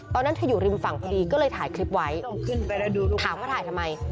ตอนนั้นเธออยู่ริมฝั่งพอดีก็เลยถ่ายคลิปไว้ถามว่าถ่ายทำไม